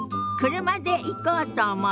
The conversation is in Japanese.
車で行こうと思う。